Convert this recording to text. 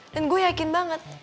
dan gue yakin banget